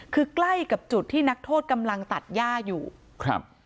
คือใกล้กับจุดที่นักโทษกำลังตัดย่าอยู่ครับ